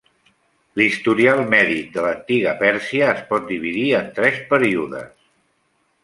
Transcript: L'historial mèdic de l'antiga Pèrsia es pot dividir en tres períodes.